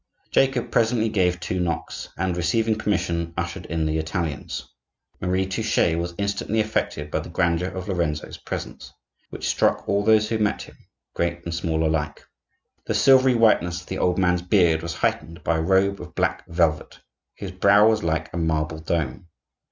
Jacob presently gave two knocks, and, receiving permission, ushered in the Italians. Marie Touchet was instantly affected by the grandeur of Lorenzo's presence, which struck all those who met him, great and small alike. The silvery whiteness of the old man's beard was heightened by a robe of black velvet; his brow was like a marble dome.